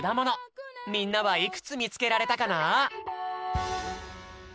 みんなはいくつみつけられたかな？